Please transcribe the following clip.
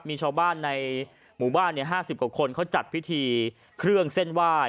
มีชาวบ้านในหมู่บ้าน๕๐กว่าคนเขาจัดพิธีเครื่องเส้นไหว้